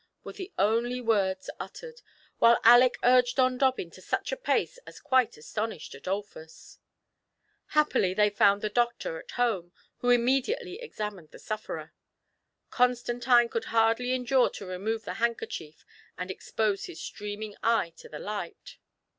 were the only words uttered, while Aleck urged on Dobbin to such a pace as quite astonished Adolphus. Happily they found the doctor at home, who im mediately examined the sufferer. Constantine could hardly endure to remove the handkerchiej^ and expose his streaming eye to the light.